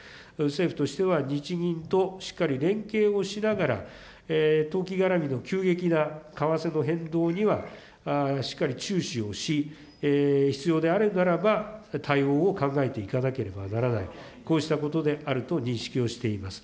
政府としては日銀としっかり連携をしながら、投機絡みの急激な為替の変動にはしっかり注視をし、必要であるならば、対応を考えていかなければならない、こうしたことであると認識をしています。